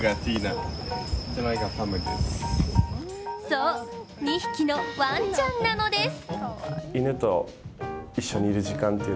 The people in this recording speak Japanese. そう、２匹のワンちゃんなのです。